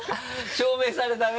証明されたね。